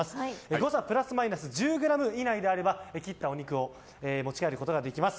誤差プラスマイナス１０ｇ以内であれば切ったお肉を持ち帰ることができます。